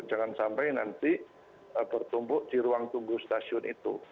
jangan sampai nanti bertumpuk di ruang tunggu stasiun itu